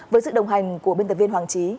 với sự đồng hành của biên tập viên hoàng trí